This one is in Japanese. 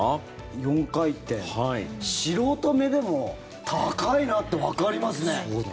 ４回転、素人目でも高いなってわかりますね。